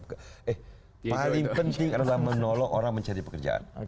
eh paling penting adalah menolong orang mencari pekerjaan